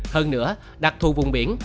hơn nữa đặc thù vùng biển